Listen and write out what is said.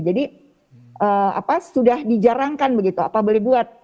jadi sudah dijarangkan begitu apa boleh buat